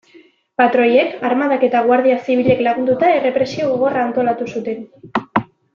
Patroiek, armadak eta Guardia Zibilek lagunduta, errepresio gogorra antolatu zuten.